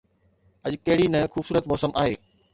اڄ ڪهڙي نه خوبصورت موسم آهي